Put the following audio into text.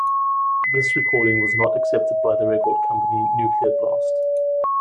This recording was not accepted by the record company Nuclear Blast.